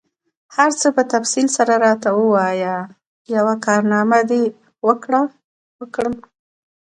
هر څه په تفصیل سره راته ووایه، یوه کارنامه دي وکړل؟